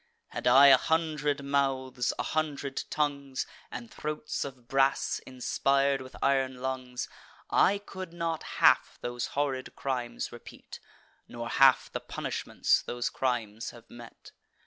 Had I a hundred mouths, a hundred tongues, And throats of brass, inspir'd with iron lungs, I could not half those horrid crimes repeat, Nor half the punishments those crimes have met.